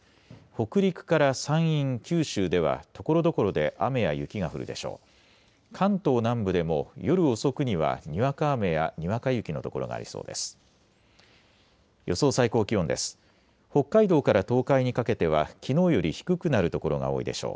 北陸から山陰、九州ではところどころで雨や雪が降るでしょう。